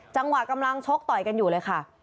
กำลังชกต่อยกันอยู่เลยค่ะ